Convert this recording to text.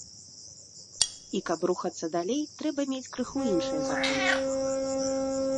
І, каб рухацца далей, трэба мець крыху іншыя законы.